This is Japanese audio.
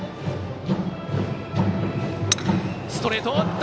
ストレート！